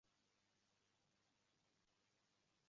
Saylovlarda jamoat xavfsizligini ta’minlashning muhim jihatlari